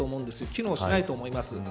機能しないと思います。